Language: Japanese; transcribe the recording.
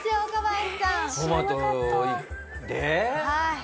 はい。